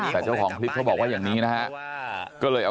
แต่เจ้าของคลิปเขาบอกว่า